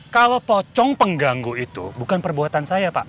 kalau pocong pengganggu itu bukan perbuatan saya pak